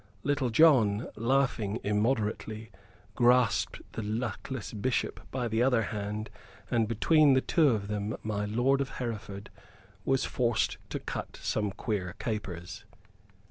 Little John, laughing immoderately, grasped the luckless Bishop by the other hand, and between the two of them my lord of Hereford was forced to cut some queer capers.